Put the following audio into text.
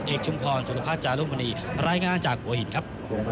ชุมพรสุรพัฒน์จารุมณีรายงานจากหัวหินครับ